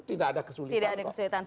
tidak ada kesulitan